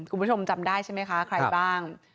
คุณผู้ชมจำได้ใช่ไหมคะใครบ้าง